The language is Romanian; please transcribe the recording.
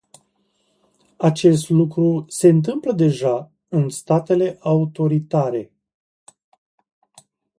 Acest lucru se întâmplă deja în statele autoritare.